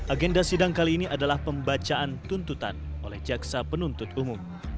agenda sidang kali ini adalah pembacaan tuntutan oleh jaksa penuntut umum